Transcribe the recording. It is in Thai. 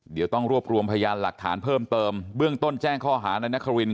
เดี๋ยวต้องรวบรวมพยานหลักฐานเพิ่มเติมเบื้องต้นแจ้งข้อหาในนคริน